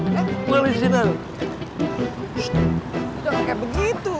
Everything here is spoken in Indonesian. jangan kayak begitu